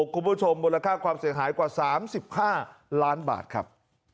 คุณผู้ชมมูลค่าความเสียหายกว่า๓๕ล้านบาทครับ